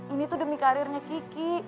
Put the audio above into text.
ini tuh demi karirnya kiki